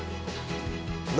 何？